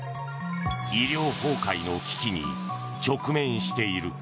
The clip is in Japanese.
医療崩壊の危機に直面している。